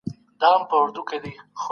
هغه له کلونو راهيسي د ورورولۍ پيغام خپروي.